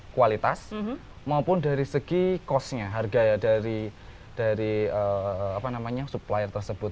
kualitas maupun dari segi cost nya harga dari supplier tersebut